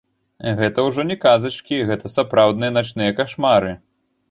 Гэта ўжо не казачкі, гэта сапраўдныя начныя кашмары!